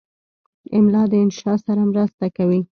املا د انشا سره مرسته کوي.